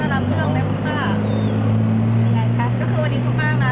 อ่ะพอจะรับเครื่องได้ป้าอ่าค่ะก็คือวันนี้พ่อมามา